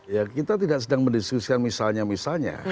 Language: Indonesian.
ya kita tidak sedang mendiskusikan misalnya misalnya